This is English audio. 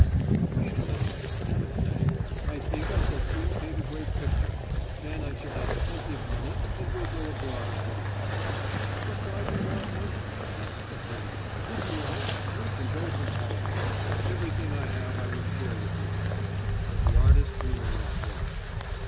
"Wait a little," he would say. "I think I shall soon paint a great picture. Then I shall have plenty of money, and we'll go abroad together." "But why do you want money?" asked the prince. "If you like, we can go to morrow. Everything I have I will share with you." But the artist remained firm.